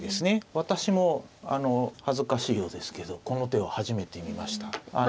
私も恥ずかしいようですけどこの手は初めて見ました。